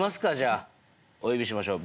お呼びしましょう。